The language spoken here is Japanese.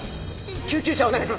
救急車をお願いします！